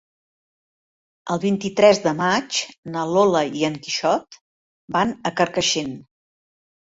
El vint-i-tres de maig na Lola i en Quixot van a Carcaixent.